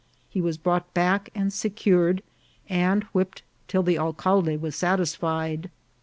He was brought back and secured, and whipped till the alcalde was satisfied.